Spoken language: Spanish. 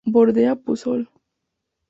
Bordea Puzol.